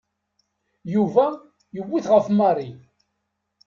Yuba yewwet ɣef Mary.